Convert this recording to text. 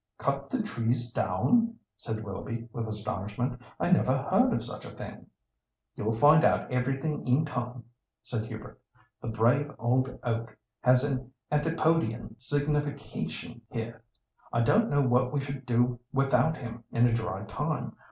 "Cut the trees down!" said Willoughby, with astonishment. "I never heard of such a thing!" "You'll find out everything in time," said Hubert. "'The brave old oak' has an antipodean signification here. I don't know what we should do without him in a dry time.